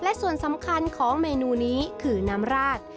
และส่วนสำคัญของเมนูนี้คือน้ำราด